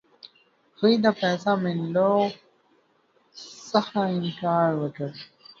هغې د پیسو منلو څخه انکار وکړ.